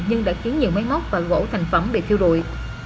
nhưng đã khiến nhiều máy móc và gỗ thành phẩm bị thiêu đuôi